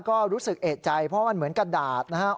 ก็รู้สึกเอกใจเพราะมันเหมือนกระดาษนะครับ